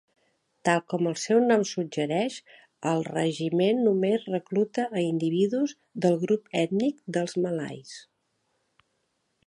Tal com el seu nom suggereix, el regiment només recluta a individus del grup ètnic dels malais.